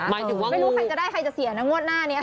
ไม่รู้ใครจะได้ใครจะเสียนะงวดหน้านี้